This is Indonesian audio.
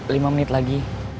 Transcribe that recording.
lima menit lagi